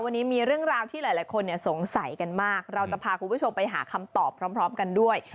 วันนี้มีเรื่องราวที่หลายคนสงสัยกันมากเราจะพาคุณผู้ชมไปหาคำตอบพร้อมกันด้วย